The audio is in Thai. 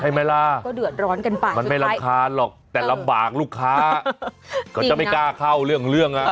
ใช่ไหมล่ะมันไม่รำคาญหรอกแต่ลำบากลูกค้าก็จะไม่กล้าเข้าเรื่องนะ